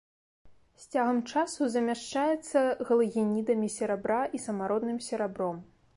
З цягам часу замяшчаецца галагенідамі серабра і самародным серабром.